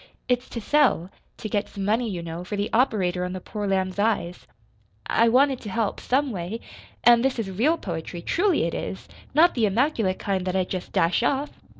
"It's to sell to get some money, you know, for the operator on the poor lamb's eyes. I I wanted to help, some way. An' this is REAL poetry truly it is! not the immaculate kind that I jest dash off!